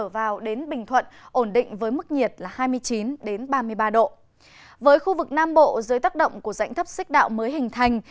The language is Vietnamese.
với khu vực nam bộ dưới tác động của rãnh thấp xích đạo mới hình thành